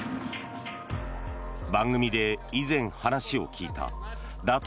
番組で以前、話を聞いた打倒